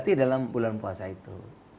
mati dalam bulan puasa itu